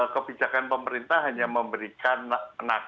kebijakan pemerintah hanya memberikan